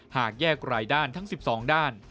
หากแยกรายด้านทั้ง๑๒ด้าน